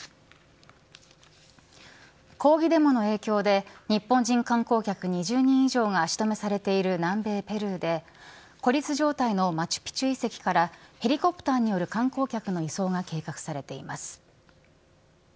抗議デモの影響で日本人観光客２０人以上が足止めされている南米ペルーで孤立状態のマチュピチュ遺跡からヘリコプターによる観光客の移送が計画されています。